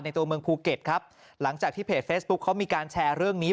ตัวเมืองภูเก็ตครับหลังจากที่เพจเฟซบุ๊คเขามีการแชร์เรื่องนี้